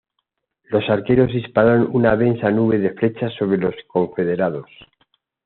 Los arqueros dispararon una densa nube de flechas sobre los confederados.